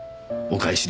お返し？